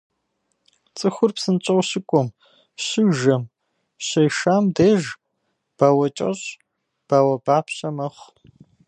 Цӏыхур псынщӏэу щыкӏуэм, щыжэм, щешам деж бауэкӏэщ, бауэбапщэ мэхъу.